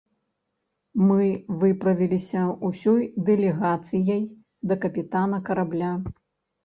Мы выправіліся ўсёй дэлегацыяй да капітана карабля.